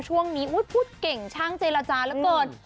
ช่วงนี้อุดเก่งช่างเจรจาระบ่น